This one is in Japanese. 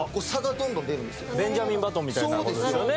『ベンジャミン・バトン』みたいな事ですよね。